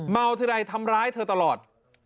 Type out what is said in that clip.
เมาเท่าไรทำร้ายเธอตลอด